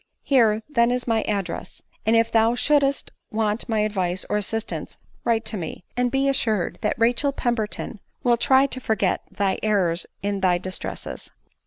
Here then is my address; and if thou shouldst want my advice or assistance write to me, and be assured that Rachel Pemberton will try to forget thy errors in thy distres&s."